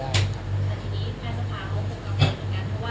เพราะว่าไม่มีอุปกรณ์ให้เขาให้เดินเข้าไป